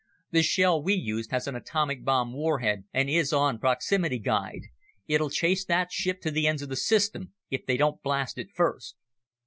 The shell we used has an atomic bomb warhead and is on proximity guide. It'll chase that ship to the ends of the system if they don't blast it first."